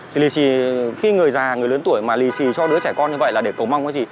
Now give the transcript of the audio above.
thì khi người già người lớn tuổi mà lì xì cho đứa trẻ con như vậy là để cầu mong cái gì